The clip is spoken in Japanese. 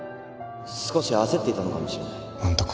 少し焦っていたのかもしれない